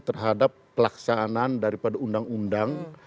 terhadap pelaksanaan daripada undang undang